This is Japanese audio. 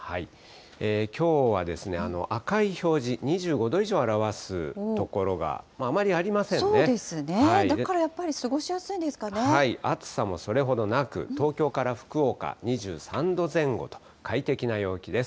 きょうは赤い表示、２５度以上表だからやっぱり過ごしやすい暑さもそれほどなく、東京から福岡２３度前後と、快適な陽気です。